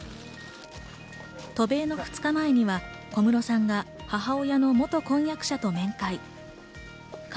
渡米の２日前には小室さんが母親の元婚約者と面会。